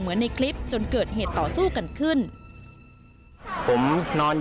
ในคลิปจนเกิดเหตุต่อสู้กันขึ้น